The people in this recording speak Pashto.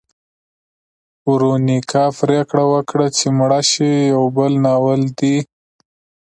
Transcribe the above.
ورونیکا پریکړه وکړه چې مړه شي یو بل ناول دی.